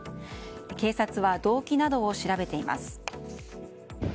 警察は、動機などを調べています。